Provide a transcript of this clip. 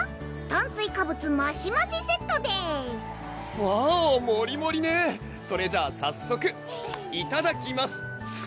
「炭水化物マシマシセット」ですわぉ盛り盛りねそれじゃあ早速いただきます！